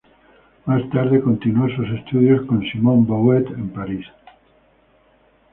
Más tarde continuó sus estudios con Simon Vouet en París.